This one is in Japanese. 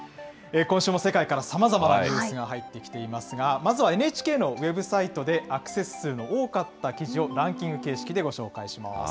今週も世界からさまざまなニュースが入ってきていますが、まずはＮＨＫのウェブサイトでアクセス数の多かった記事をランキング形式でご紹介します。